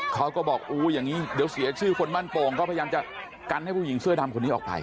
เขาก็บอกอู้อย่างนี้เดี๋ยวเสียชื่อคนมั่นโป่งก็พยายามจะกันให้ผู้หญิงเสื้อดำคนนี้ออกไป